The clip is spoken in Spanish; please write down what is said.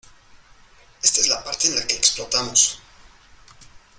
¡ Esta es la parte en la que explotamos!